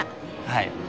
はい。